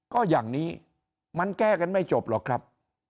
ก็อย่างนี้มันแก้กันไม่จบหรอกครับ